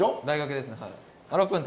大学ですねはい。